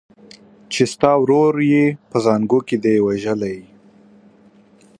چي ستا ورور یې په زانګو کي دی وژلی